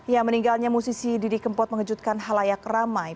ya meninggalnya musisi didi kempot mengejutkan halayak ramai